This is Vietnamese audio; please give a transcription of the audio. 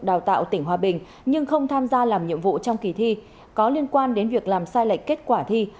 đào tạo tỉnh hòa bình nhưng không tham gia làm nhiệm vụ trong kỳ thi có liên quan đến việc làm sai lệch kết quả thi